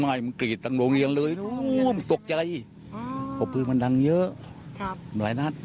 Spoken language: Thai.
ไม่มันกรีดตั้งโรงเรียนเลยนู้นตกใจเพราะปืนมันดังเยอะหลายนัด